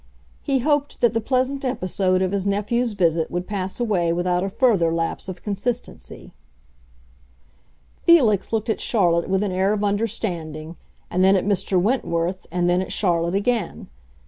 He hoped that the pleasant episode of his nephew's visit would pass away without a further lapse of consistency. Felix looked at Charlotte with an air of understanding, and then at Mr. Wentworth, and then at Charlotte again.